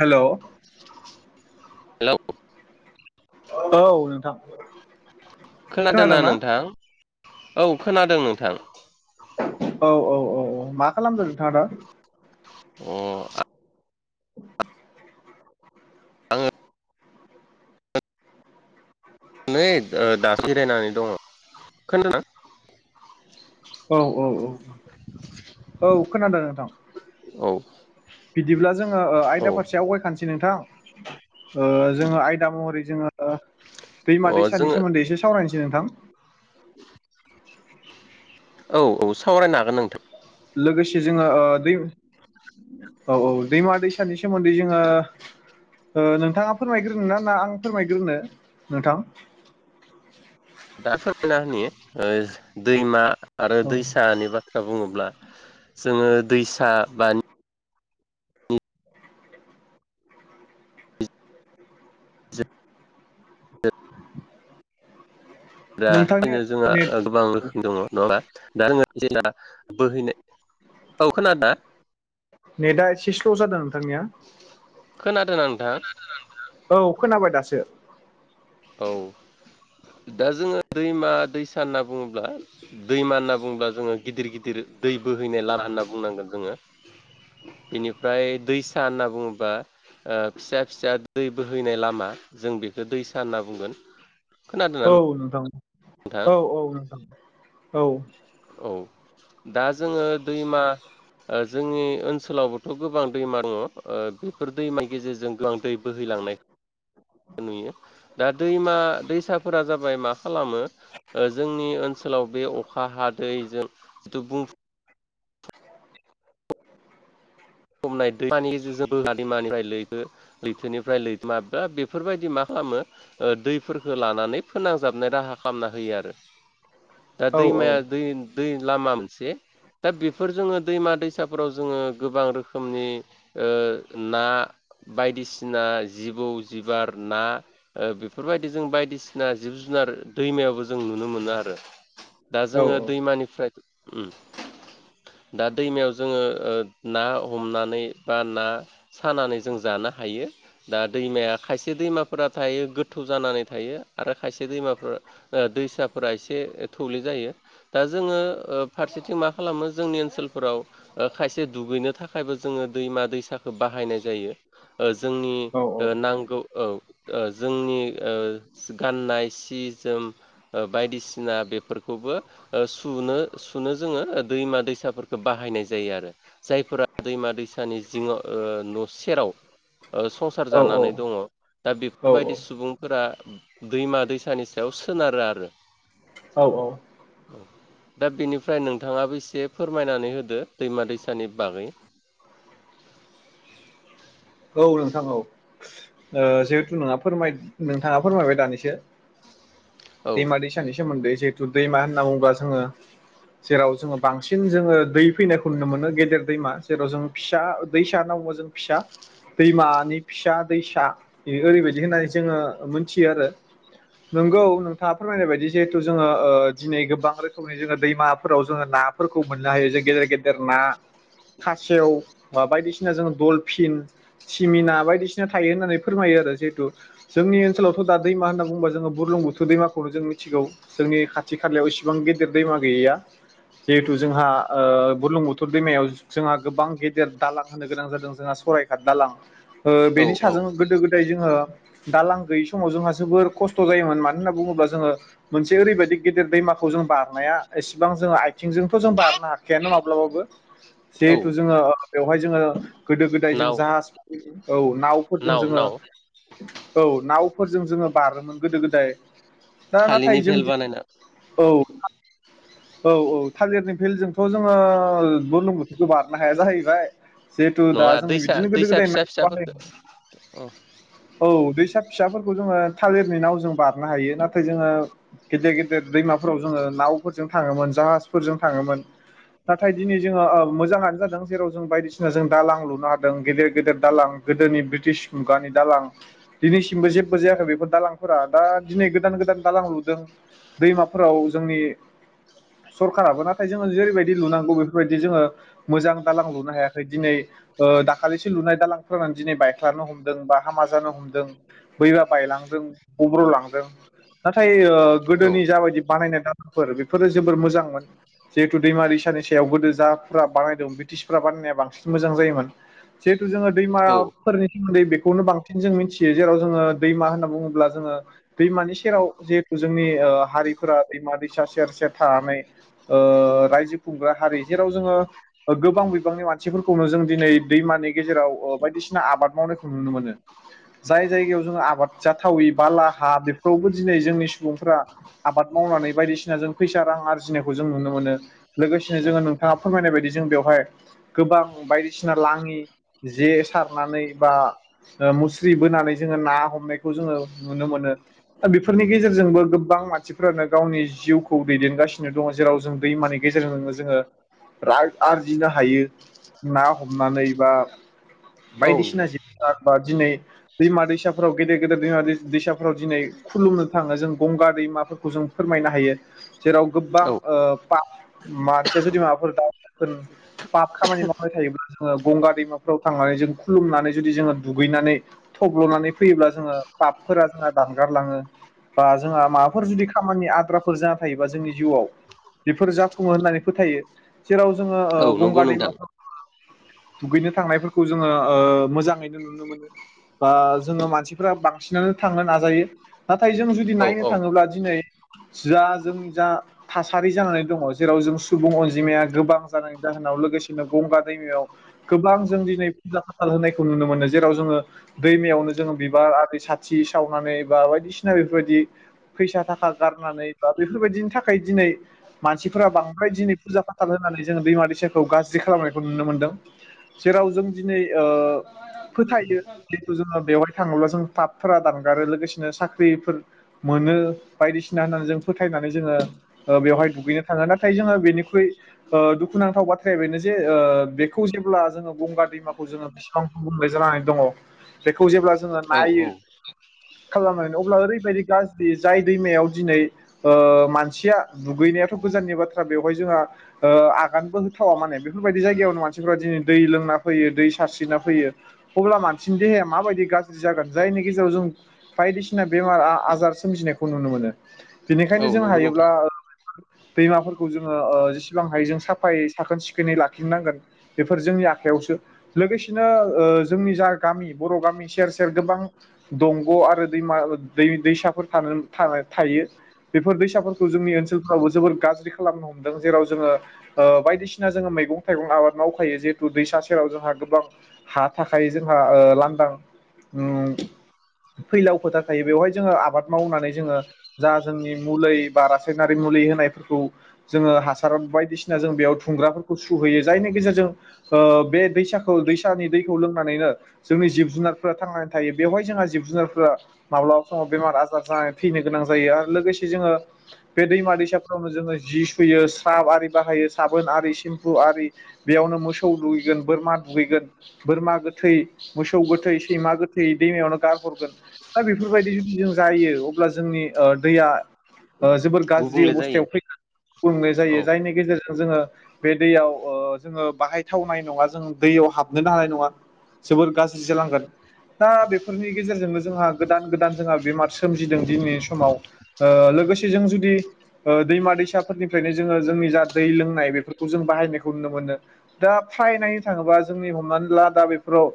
हेल'। Hello. औ नोंथां। खोनादोंना नोंथां। औ खोनादों नोंथां। औ औ औ औ मा खालामदो नोंथाङा दा? अ। [unintelligible] आङो नै दा जिरायनानै दङ। खोनादों? औ औ औ, औ खोनादों नोंथां। औ बिदिब्ला जोङो औ आयदा फारसे आवगायखानोसै नोंथां। ओ जोङो आयदा महरै जोङो, दैमा अ दैसानि जोङो सोमोन्दै एसे सावरायनोसै नोंथां। औ औ सावरायनो हागोन नोंथां। लोगोसे जोङो ओ दै औ औ दैमा दैसानि सोमोन्दै जोंङो ओ नोंथाङा फोरमायग्रोनो ना। ना आं फोरमायग्रोनो नोंथां? दा फोरमायना होनि ओ दैमा आरो औ दैसानिबा बुंङोब्ला जोङो दैसा बा दा नोंथांनि [unintelligible] जोंहा नेट गोबां रोखोम दङ नंङा ओमबा दा जोंओ जेना बोहैनो औ खोनादोना। नेटआ एसे स्ल' जादो नोंथांनिया? खोनादो ना नों खोनादो ना नोंथां? औ खोनाबाय दासो। औ। दा जोङो दैमा-दैसा होनना बुंङोब्ला दैमा होनना बुंङोब्ला जोङो गिदिर गिदिर दै बोहैनाय लार होनना बुंनांगोन जोङो। बिनिफ्राय दैसा होनना बुंङोबा ओ फिसा फिसा दै बोहैनाय लामा जों बेखो [unintelligible] होनना बुंगोन। खोनादो ना औ नों नोंथां औ औ नंगौ औ। औ दा जोङो दैमा ओ जोंनि ओनसोलावबोथ' गोबां दैमा दङ ओ बिफोर दैमानि गेजेरजों गोबां दै बोहैलांनाय [inaudible] नुयो दा दैमा दैसाफोरा जाबाय मा खालामो ओ जोंनि ओनसोल आव बे अखा हादैजों टुपुं खमनाय दैमानि जि दैमानिफ्राय लैथो लैथोनिफ्राय लैथोमा बा बेफोरबायदि मा खामो ओ दैफोरखो लानानै फोनांजाबनाय राहा खामना होयो आरो। दा औ दैमाया दै दै लामा मोनसे दा बेफोर जोङो दैमा दैसाफोराव जोङो गोबां रोखोमनि ओ ना बायदिसिना जिबौ जिबार ना ओ बेफोरबायदि जों बायदिसिना जिब जु नार दैमायावबो जों नुनो मोनो आरो‌। दा औ जोङो औ दैमानिफ्राय ओम दा दैमायाव जोङो ओ ना नानै बा ना सानानै जों जानो हायो‌। दा दैमाया खायसे दैमाफोरा थायो गोथौ जानानै थायो आरो खायसे दैमाफोरा ओ दैसाफोरा एसे थौले जायो। दा जोङो ओ फारसेथिं मा खालामो जोंनि ओनसोलफोराव खायसे दुगैनो थाख खायबो जोङो दैमा दैसाखो बाहायनाय जायो ओ जोंनि औ ओ नांगौ औ ओ जोंनि ओ गाननाय सि जोम ओ बायदिसिना बेफोरखौबो ओ सुनो सुनो जोङो दैमा दैसाफोरखौ बाहायनाय जायो आरो जायफोरा दैमा दैसानि जिङ ओ न' सेराव ओ संसार जानानै दङ दा औ बेफोरबायदि सुबुंफोरा दैमा दैसानि सायाव सोनारो आरो‌। औ औ। दा बेनिफ्राय नोंथाङाबो एसे फोरमायनानै होदो दैमा दैसानि बागै? औ नोंथां औ ओ जिहेथु नोंहा फोरमाय नोंथांङा फोरमायबाय दानिसो औ दैमा दैसानि सोमोन्दै जिहेथु दैमा होनना बुङोबा जोंङो जेराव जोङो बांसिन जोङो दै फैनायखौ नुनो मोनो गेदेर दैमा जेराव जों फिसा दैसा [unintelligible] जों फिसा दैमानि फिसा दैसा इयो ओरैबायदि होननानै जोङो मोनथियो आरो। नोंगौ नोंथाङा फोरमायनाय बायदि जिहेथु ओ जोङो दिनै गोबां रोखोमनि जोङो दैमाफोराव जोङो नाफोरखौ मोननो हायो जों गेदेर गेदेर ना। खासेव बा बायदिसिना जोङो दलफिन। थिमिना बायदिसिना थायो होननानै फोरमायो आरो जिहेतु जोंनि ओनसोलावथ' दा दैमा होनना बुंङोब्ला जोङो बुरलुं बुथुर दैमाखौनो जों मिथिगौ जोंनि खाथि खालायाव इसिबां गेदेर दैमा गैया। जिहेथु जोंहा ओ बुलुंबुथोर दैमायाव जोंहा गोबां गेदेर दालां होनो गोनां जादों जोंहा सराय घाट दालां ओ बेनि साजों गोदो गोदाय जोङो दालां गैयै समाव जोंहा जोबोर खस्थ' जायोमोन मानो होनना बुङोब्ला जोङो मोनसे ओरैबायदि गिदिर गिदिर दैमाखौ जों बारनाया इसेबां जों आथिंजोंथ' जों बारनो हाखाया ना माब्लाबाबो। औ जिहेथु जोङो बेवहाय जोङो गोदो गोदाय जों नाव जाहाज औ नावफोरजों नाव जोङो नाव औ नावफोरजों जोङो बारोमोन गोदो गोदाय। दा नाथाय थालिरनि जों भेल बानायना औ। औ औ थालिरनि भेलजोंथ' जोङो बुरलुंबुथुरखौ बारनो हाया जाहैबाय। जिहेथु दा नङा जोङो दैसा बिदिनो गोदो दैसा गोदाय फिसा माइ फिसाफोरखौ औ दैसा। फिसाफोरखौ जोङो थालिरनि नाव जों बारनो हायो नाथाय जोङो गेदेर गेदेर दैमाफोराव जोङो नावफोरजों थाङोमोन जाहाजफोरजों थाङोमोन। नाथाय दिनै जोङो ओ मोजाङानो जादों जेराव जों बायदिसिना जों दालां लुनो हा गेदेर गेदेर दालां गोदोनि ब्रिटिश मुगानि दालां दिनैसिमबो जेबो जायाखै बेफोर दालां फोरा दा दिनै गोदान गोदान दालां लुदों दैमाफोराव जोंनि सरखाराबो नाथाय जोङो जेरैबायदि लुनांगौ बेफोरबायदि जोङो मोजां दालां लुनो हायाखै दिनै ओ दाखालिसो लुनाय दालां फोरानो दिनै बायख्लानो हमदों बा हामा जानो बोहैना बायलांदों। उब्र लांदों। नाथाय ओ औ गोदोनि जाबायदि बानायनाय दालांफोर बेफोरो जोबोर मोजांमोन जिहेथु दैमारि नि सायाव गोदो जाफोरा बानायदों ब्रिटिसफोरा बानायनाया बांसिन मोजां जायोमोन। जिहेथु जोङो औ दैमाफोरनि सोमोन्दै बेखौनो बांसिन जों मिथियो जेराव जोङो दैमा होनना बुङो अब्ला जोङो दैमानि सेराव जिहेथु जोंनि ओ हारिफोरा दैमा दैसा सेर सेर थानानै ओ रायजो खुंग्रा हारि जेराव जोङो गोबां बिबांनि मानसिफोरखौनो जों दिनै दैमानि गेजेराव बायदिसिना आबाद मावनायखौ नुनो मोनो जाय जायगायाव जोङो आबाद जाथावै बाला हा बेफोरावबो दिनै जोंनि सुबुंफोरा आबाद मावनानै बायदिसिना जों फैसा रां आरजिनाय खौ जों नुनो मोनो लोगोसेनो जोङो नोंथाङा फोरमायनाय बायदि जों बेवहाय गोबां बायदिसि सिना लाङि जे सारनानै बा ओ मुस्रि बोनानै जोङो ना हमनायखौ जोङो नुनो मोनो दा बेफोरनि गेजेरजोंबो गोबां गोबां मानसिफ्रानो गावनि जिउखौ दैदेनगासिनो दङ जेराव जों दैमानि गेजेरजोंनो जोङो रां आरजिनो हायो ना हमनानै बा औ बायदिसिना नोंथां जिब बा दिनै दैमा दैसाफोराव गेदेर गेदेर दैमा दैसाफोराव दिनै खुलुमनो थाङो जों गंगा दैमाफोरखौ जों फोरमायनो हायो जेराव गोबां औ ओ पा मानसिया जुदि माबाफोर द पाब खामानि मावबाय थायोब्ला जोङो गंगा दैमाफोराव थांनानै जों खुलुमनानै जुदि जोङो दुगैनानै थब्ल'नानै फैयोब्ला जोङो पापफोरा जोंहा दानगारलाङो। बा जोंहा माबाफोर जुदि खामानि आद्राफोर जाना थायोबा जोंनि जिउआव बेफोर जाफुङो होननानै फोथायो जेराव जोङो औ ओ नंगौ गंगा नोंथां दैमाफोर दुगैनो थांनायफोरखौ जोङो मोजाङैनो नुनो मोनो। बा जोङो मानसिफ्रा बांसिनानो थांनो नाजायो नाथाय जों जुदि औ नायनो औ थाङोब्ला दिनै जा जोंनि जा थासारि जानानै दङ जेराव जों सुबुं अनजिमाया गोबां जानानै दा होनां औ लोगोसेनो गंगा दैमायाव गोबां जों दिनै फुजा हाथाल होनायखौ नुनो मोनो जेराव जोङो दैमायावनो जोङो बिबार आरि साथि सावनानै बा बायदिसिना बेफोरबायदि फैसा थाखा गारनानै बा बेफोरबायदिनि थाखाय दिनै मानसिफोरा बांद्राय दिनै फुजा फाथाल होनो नानै जोंङो दैमा - दैसाखौ गाज्रि खालामनायखौ नुनो मोनदों जेराव जों दिनै फोथायो जिथु जोङो बेवहाय थाङोब्ला जों पाबफोरा दानगारो लोगोसेनो साख्रिफोर मोनो बायदिसिना होननानै जों फोथायनानै जोङो बेवहाय दुगैनो थाङो नाथाय जोङो बेनिख्रुइ ओ दुखुनांथाव बाथ्राया बेनो जे ओ बेखौ जेब्ला जोङो गंगा दैमाखौ जोङो बिसेबांखौ बुंबाय जानानै दङ बेखौ जेब्ला जोङो औ नायो औ खालामनानै अब्ला ओरैबायदि गाज्रि जाय दैमायाव दिनै ओ मानसिया दुगैनायाव थ गोजाननि बाथ्रा बेहावहाय जोहा ओ आगानबो होथावा माने बेफोरबायदि जायगायावनो मानसिफोरा दिनै दै लोंना फैयो दै सारस्रिना फैयो अब्ला मानसिनि देहाया माबायदि गाज्रि जागोन जायनि गेजेराव जों बायदिसिना बेमार -आजार सोमजिनायखौ नुनो मोनो औ बेनिखायनो जों नंगौ नोंथां हायोब्ला दैमाफोरखौ जोङो ओ जेसेबां हायो जों साफायै साखोन सिखोनै लाखिनांगोन बेफोर जोंनि आखायावसो लोगोसेनो ओ जोंनि जा गामि बर' गामि गामि सेर सेर गोबां दंग' आरो दैमा दै दैसाफोर थानो थायो बेफोर दैसाफोरखौ जोंनि ओनसोलफ्रावबो जोबोद गाज्रि खालामनो हमदों जेराव जोङो ओ बायदिसिना जोङो मैगं थाइगं आबाद मावखायो जिहेथु दैसा सेराव जोंहा गोबां हा थाखाय जोंहा ओ लां दां उम फैलाव फोथार थायो बेवहाय जोङो आबाद मावनानै जोङो जा जोंनि मुलै बा रासायनारि मु मुलि होनायफोरखौ जोंङो हार बायदिसिना जोंबेयाव खुंग्राफोरखौ सुहैयो जायनि गेजेरजों ओ बे दैसाखौ दैसानि दैखौ लोंनानैनो जोंनि जिब -जुनारफोरा थांनानै थायो बेवहाय जोंहा जिब- जुनारफोरा माब्लाबा समाव बेमार- आजार जाना थैनो गोनां जायो दा लोगोसे जोङो बे दैमा -दैसाफोरावनो जोङो जि सुयो स्राब आरि बाहायो सा बोन आरि सिम्फु आरि बेयावनो मोसौ दुगैगोन बोरमा दुगैगोन बोरमा गोथै मोसौ गोथै सैमा गोथै दैमायावनो गारहरगोन दा बेफोरबायदि जुदि जों जायो अब्ला जोंनि ओ दैया जोबोर गाज्रि गुबुंले जायो अबस्थायाव फै फोरनाय जायो औ जायनि गेजेरजों जोङो बे दैयाव ओ जोङो बाहायथावनाय नङा जों दैयाव हाबनोनो हानाय नङा जोबोर गाज्रि जालांगोन दा बेफोरनि गेजेरजोंनो जोंहा गोदान - गोदान जोंहा बेमार सोमजिदों दिनैनि समाव ओ लोगोसे जों जुदि ओ दैमा - दैसाफोरनिफ्रायनो जोङो जोंनि जा दै लोंनाय बे बेफोरखौ जों बाहायनायखौ नुनो मोनो दा फ्रायनाय नायनो थाङोबा जोंनि हमनानै ला दा बेफोराव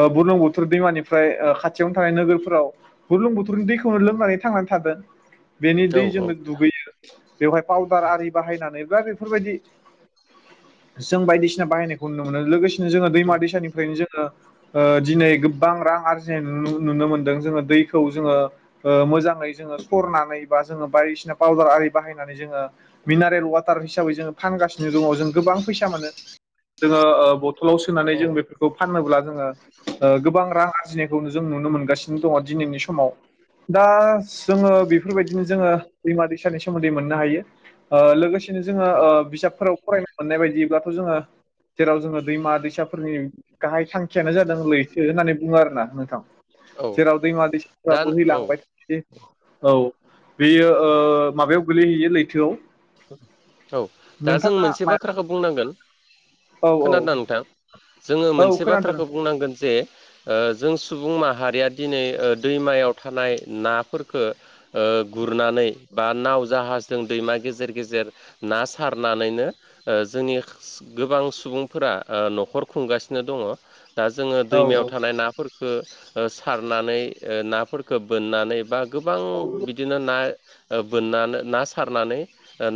ओ बुरलुं बुथुर दैमानिफ्राय ओ खाथियावनो थानाय नोगोरफोराव बुरलुं बोथोरनि दैखौनो लोमनानै थांनानै थादों बेनि औ दै जोंनो दुगैयो बेवहाय पाउदार आरि बाहायनानै बा बेफोरबायदि [inaudible] जों बायदिसिना बाहायनायखौ नुनो मोनो लोगोसेनो जोङो औ दैमा दैसानिफ्रायनो जोङो ओ दिनै गोबां रां आरजिनाय नुनो मोनदों जोङो दैखौ जोङो ओ मोजांङै जोङो सरनानै बा जों बायदिसिना फावदार आरि बाहायनानै जोङो मिनारेल वाटार हिसाबै जोंङो फानासिनो दङ जों गोबां फैसा मोनो जोङो ओ बथलाव सोनानै औ जों बेफोरखौ फानोब्ला जोङो ओ गोबां रां आरजिनायखौनो जों नु नुनो मोनगासिनो दङ दिनैनि समाव दा जोङो बेफोरबायदिनो जोङो दैमा दैसानि सोमोन्दै मोननो हायो ओ लोगोसेनो जोङो औ ओ बिजाबफोराव फरायनो मोननाय बायदिब्लाथ' जोङो जेराव जोङो दैमा- दैसाफोरनि गाहाय थांखियानो जादोंलैथो होननानै बुङो आरोना नोंथां औ जेराव दैमा दैसाफ्रा दा बोहैलांबाय थायो। औ। बेयो ओ माबायाव गोलैहैयो लैथोआव। औ दा जों नोंथाङा मोनसे माया बाथ्राखौ बुंनांगोन, औ औ खोनादोंना नोंथां? जोङो औ मोनसे खोनादों बाथ्राखौ बुंनांगोन जे ओ जों सुबुं माहारिया दिनै ओ दैमायाव थानाय नाफोरफोरखो ओ गु गुरनानै बा नाव जाहाजजों दैमा गेजेर गेजेर ना सारनानैनो ओ जोंनि गोबां सुबुंफोरा ओ न'खर खुंगासिनो दं। ङ। दा जोङो औ दैमायाव औ थानाय नाफोरफोरखो ओ सारनानै नाफोरख बोननानै बा गोबां बिदिनो ना बोननानै ना सारनानै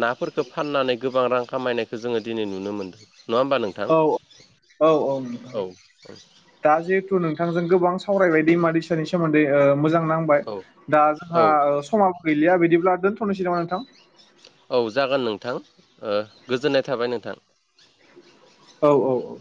नाफोर खो फाननानै गोबां रां खामायनायखौ जोङो दिनै नुनो मोन्दो। औ औ औ औ उम दा जिहेथु नोंथांजों गोबां सावरायबाय दैमा-दैसानि सोमोन्दै ओ मोजां नांबाय औ दा औ जोंहा समाबो गैलिया बिदि ब्ला दोनथ'नोसै नामा नोंथां। औ जागोन नोंथां ओ गोजोननाय थाबाय नोंथां। औ औ औ।